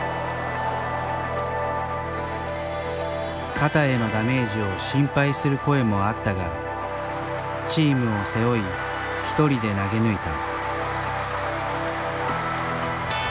肩へのダメージを心配する声もあったがチームを背負い一人で投げ抜いた。